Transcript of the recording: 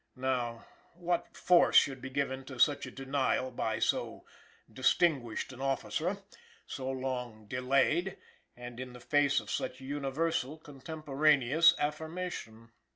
Now, what force should be given to such a denial by so distinguished an officer, so long delayed and in the face of such universal contemporaneous affirmation?